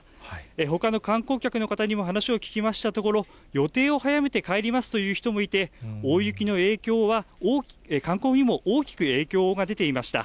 ほかの観光客の方にも話を聞きましたところ、予定を早めて帰りますという人もいて、大雪の影響は観光にも大きく影響が出ていました。